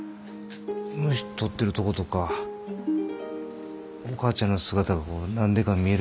虫捕ってるとことかお母ちゃんの姿が何でか見えるいうか。